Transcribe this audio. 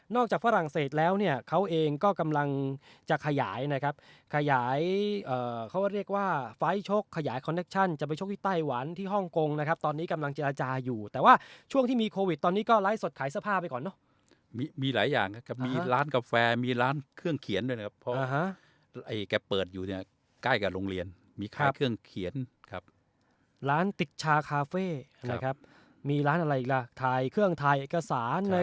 นอกจากฝรั่งเศสแล้วเนี่ยเขาเองก็กำลังจะขยายนะครับขยายเขาเรียกว่าไฟล์ชกขยายคอนเน็กชั่นจะไปชกที่ไต้หวันที่ฮ่องกงนะครับตอนนี้กำลังจะอยู่แต่ว่าช่วงที่มีโควิดตอนนี้ก็ไลฟ์สดขายสภาพไปก่อนเนาะมีหลายอย่างมีร้านกาแฟมีร้านเครื่องเขียนด้วยนะครับเพราะไอ้แก่เปิดอยู่เนี่ยใกล้กับโรงเรี